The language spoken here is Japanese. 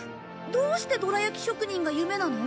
どうしてどら焼き職人が夢なの？